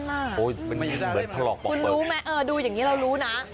มันยิ่งเหมือนทะเลปลอกเปลือกนะครับคุณรู้ไหมดูอย่างนี้เรารู้นะ